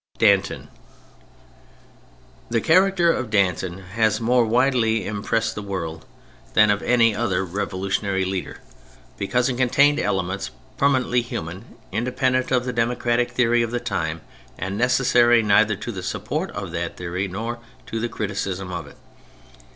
DANTON The character of Danton has more widely impressed the world than that of any other C 2 68 THE FRENCH REVOLUTION revolutionary leader, because it contained elements permanently human, independent of the democratic theory of the time, and necessary neither to the support of that theory nor to the criticism of it.